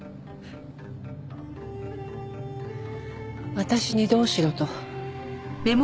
私にどうしろと？